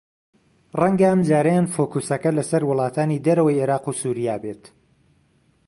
رەنگە ئەمجارەیان فۆکووسەکە لەسەر وڵاتانی دەرەوەی عێراق و سووریا بێت